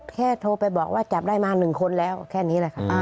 โทรไปบอกว่าจับได้มา๑คนแล้วแค่นี้แหละค่ะ